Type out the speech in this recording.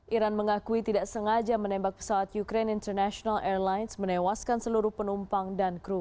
iran mengakui tidak sengaja menembak pesawat ukraine international airlines menewaskan seluruh penumpang dan kru